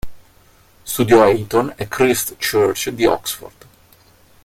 Studiò a Eton e Christ Church di Oxford.